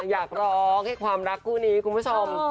อยากร้องให้ความรักคู่นี้คุณผู้ชม